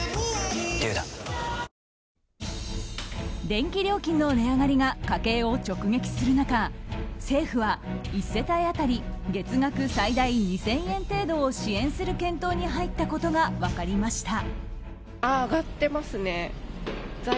電気料金の値上がりが家計を直撃する中政府は、１世帯当たり月額最大２０００円程度を支援する検討に入ったことが分かりました。